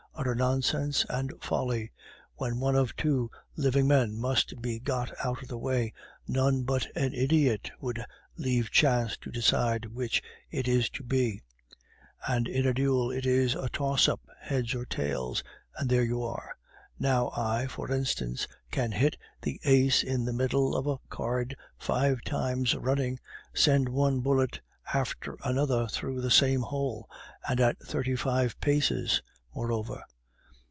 utter nonsense and folly! When one of two living men must be got out of the way, none but an idiot would leave chance to decide which it is to be; and in a duel it is a toss up heads or tails and there you are! Now I, for instance, can hit the ace in the middle of a card five times running, send one bullet after another through the same hole, and at thirty five paces, moreover!